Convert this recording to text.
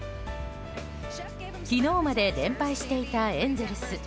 昨日まで連敗していたエンゼルス。